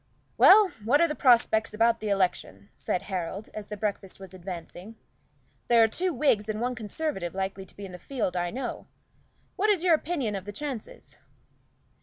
"Well, what are the prospects about election?" said Harold, as the breakfast was advancing. "There are two Whigs and one Conservative likely to be in the field, I know. What is your opinion of the chances?"